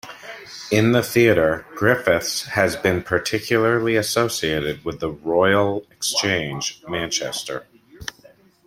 In the theatre, Griffiths has been particularly associated with the Royal Exchange, Manchester.